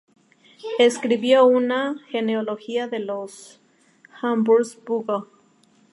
Escribió una genealogía de los Habsburgo.